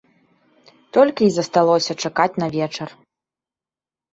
Толькі й засталося чакаць на вечар.